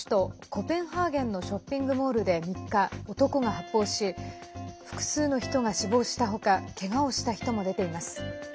コペンハーゲンのショッピングモールで３日男が発砲し複数の人が死亡したほかけがをした人も出ています。